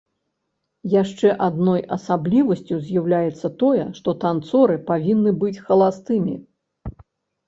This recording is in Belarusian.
Яшчэ адной асаблівасцю з'яўляецца тое, што танцоры павінны быць халастымі.